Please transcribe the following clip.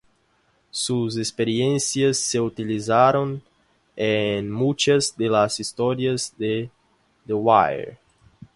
Sus experiencias se utilizan en muchas de las historias de "The Wire".